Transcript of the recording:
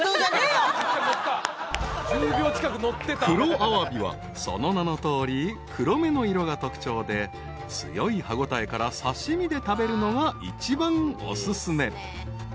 ［黒アワビはその名のとおり黒めの色が特徴で強い歯応えから刺し身で食べるのが一番お薦め］